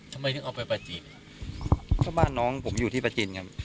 ทำไมถึงเอาไปประจีนอ่ะก็บ้านน้องผมอยู่ที่ประจินครับ